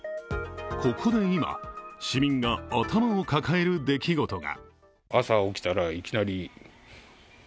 ここで今、市民が頭を抱える出来事が。